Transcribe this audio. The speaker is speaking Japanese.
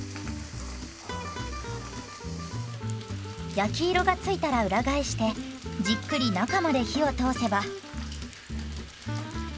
焼き色が付いたら裏返してじっくり中まで火を通せば。